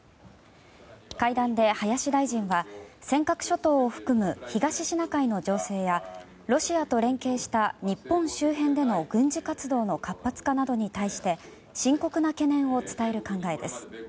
会談で林大臣は尖閣諸島を含む東シナ海の情勢やロシアと連携した日本周辺での軍事活動の活発化などに対して深刻な懸念を伝える考えです。